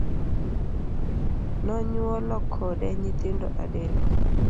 Nonyuolo kode nyithindo adek.